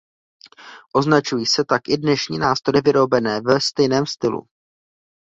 Označují se tak i dnešní nástroje vyrobené ve stejném stylu.